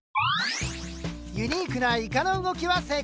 ユニークなイカの動きは成功。